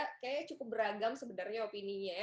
kayaknya cukup beragam sebenarnya opini nya ya